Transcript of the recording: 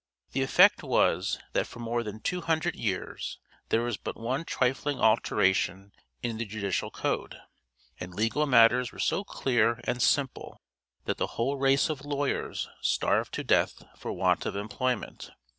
The effect was, that for more than two hundred years there was but one trifling alteration in the judicial code; and legal matters were so clear and simple that the whole race of lawyers starved to death for want of employment.